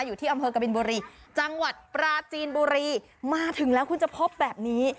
อยู่ที่อำเภอกบินบุรีจังหวัดปราจีนบุรีมาถึงแล้วคุณจะพบแบบนี้